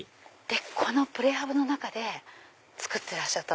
このプレハブの中で作ってらした。